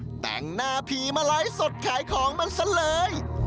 เธอก็เลยจัดเต็มแต่งหน้าผีมาไร้สดขายของมันซะเลย